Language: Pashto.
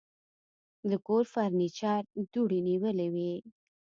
د کور فرنيچر دوړې نیولې وې.